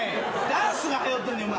ダンスがはやっとんねん。